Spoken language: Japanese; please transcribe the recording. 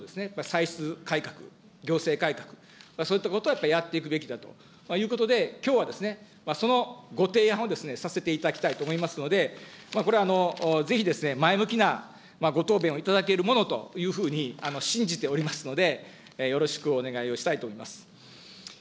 歳出改革、行政改革、そういったことはやっぱりやっていくべきだということで、きょうはですね、そのご提案をですね、させていただきたいと思いますので、これはぜひですね、前向きなご答弁をいただけるものというふうに信じておりますので、よろしくお願いをしたいと思います。